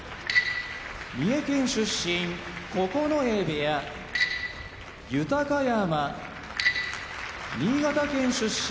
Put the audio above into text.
三重県出身九重部屋豊山新潟県出身